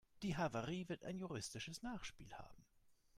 Die Havarie wird ein juristisches Nachspiel haben.